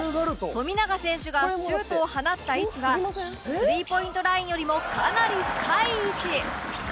富永選手がシュートを放った位置はスリーポイントラインよりもかなり深い位置